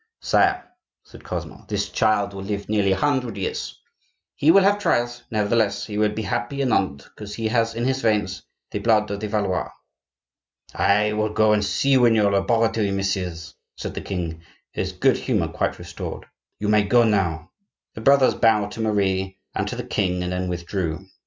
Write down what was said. "Sire," said Cosmo, "this child will live nearly a hundred years; he will have trials; nevertheless, he will be happy and honored, because he has in his veins the blood of the Valois." "I will go and see you in your laboratory, messieurs," said the king, his good humor quite restored. "You may now go." The brothers bowed to Marie and to the king and then withdrew.